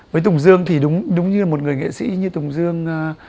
với tùng dương thì đúng như một người nghệ sĩ như tùng dương